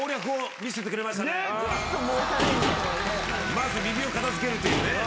まず右を片付けるというね。